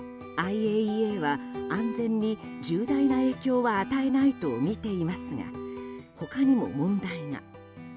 ＩＡＥＡは安全に重大な影響は与えないとみていますが他にも問題が。